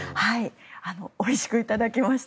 おいしくいただきました。